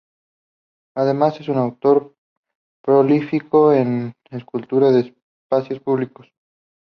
Además, es un autor prolífico en escultura en espacios públicos.